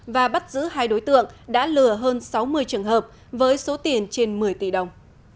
và bắt giữ hai đối tượng đã lừa hơn sáu mươi trường hợp với số tiền trên một mươi tỷ đồng